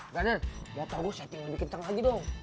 brother bapak tau gue setting lebih kenceng lagi dong